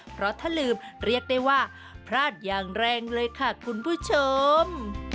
เพราะถ้าลืมเรียกได้ว่าพลาดอย่างแรงเลยค่ะคุณผู้ชม